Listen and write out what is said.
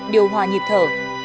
điều hòa nhịp thở